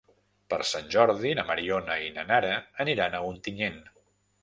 Per Sant Jordi na Mariona i na Nara aniran a Ontinyent.